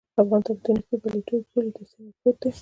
افغانستان تکتونیکي پلیټو پولې ته څېرمه پروت دی